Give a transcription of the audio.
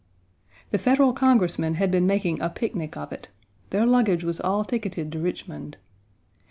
The Federal Congressmen had been making a picnic of it: their luggage was all ticketed to Richmond.